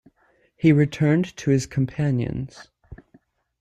He returned to his companions.